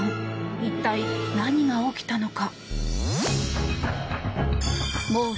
一体、何が起きたのか。